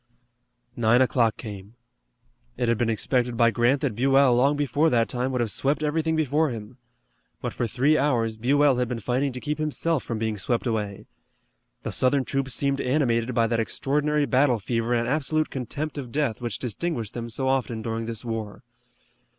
Nine o'clock came. It had been expected by Grant that Buell long before that time would have swept everything before him. But for three hours Buell had been fighting to keep himself from being swept away. The Southern troops seemed animated by that extraordinary battle fever and absolute contempt of death which distinguished them so often during this war.